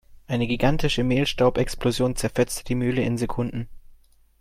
Eine gigantische Mehlstaubexplosion zerfetzte die Mühle in Sekunden.